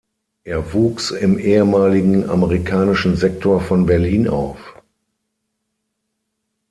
Er wuchs im ehemaligen amerikanischen Sektor von Berlin auf.